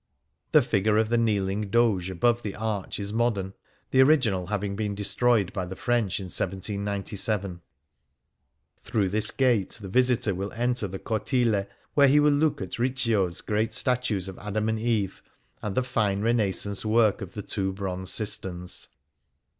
The figure of the kneeling Doge above the arch is modern, the original having been destroyed by the French in 1797. ThrouH:h this gate the visitor will enter the Cortile, where he will look at Riccio's great statues of Adam and Eve, and the fine Renais sance work of the two bronze cisterns.